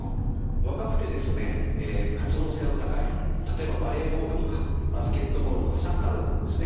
若くてですね活動性の高い例えばバレーボールとかバスケットボールとかサッカーなどのですね